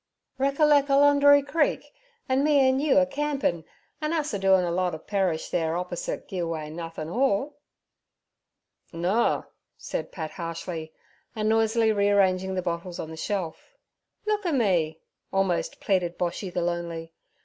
'Reckerlec' Ulundri Creek, an' me an' you a campin', an' us a doin' of a perish there op'osite "Gi' Away Nothin' 'All"?' 'Noa' said Pat harshly, and noisily rearranging the bottles on the shelf. 'Look at me' almost pleaded Boshy the lonely.